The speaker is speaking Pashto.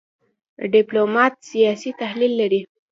ډيپلومات سیاسي تحلیل لري .